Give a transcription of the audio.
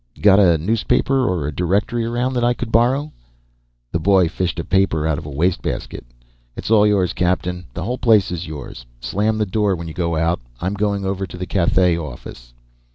"Got a newspaper or a directory around that I could borrow?" The boy fished a paper out of a wastebasket. "It's all yours, captain. The whole place is yours. Slam the door when you go out. I'm going over to the Cathay office."